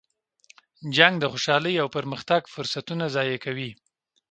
جنګ د خوشحالۍ او پرمختګ فرصتونه ضایع کوي.